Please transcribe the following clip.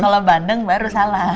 kalau bandeng baru salah